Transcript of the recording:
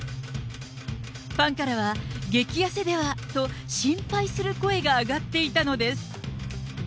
ファンからは激痩せでは？と心配する声が上がっていたのです。